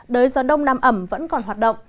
đới do đông nam ẩm vẫn còn hoạt động